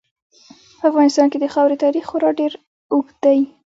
په افغانستان کې د خاورې تاریخ خورا ډېر اوږد دی.